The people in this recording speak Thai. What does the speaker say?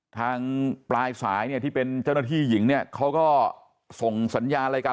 ทางปลายสายที่เป็นเจ้าหน้าที่หญิงเขาก็ส่งสัญญาอะไรกัน